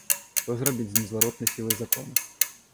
Што ж рабіць з незваротнай сілай закона?